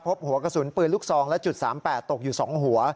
พบหัวกระสุนปืนลูกซองและจุด๓๘ตกอยู่๒หัว